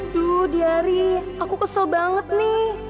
aduh diary aku kesel banget nih